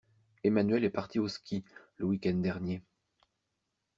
Emmanuel est parti au ski le week-end dernier.